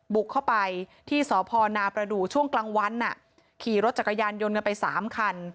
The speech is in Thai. บุกเข้าไปที่สพนาประดูกช่วงกลางวันขี่รถจักรยานยนต์กันไป๓คัน